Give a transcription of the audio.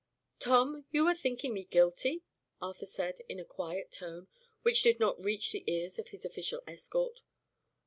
"Tom, you are thinking me guilty?" Arthur said, in a quiet, tone, which did not reach the ears of his official escort.